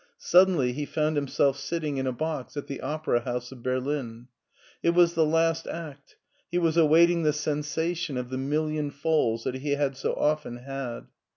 Sud denly he found himself sitting in a box at the Opera House of Berlin. It was the last act. He was await ing the sensation of the million falls that he had so often had.